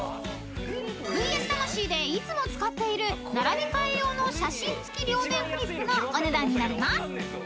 ［『ＶＳ魂』でいつも使っている並び替え用の写真付き両面フリップのお値段になります］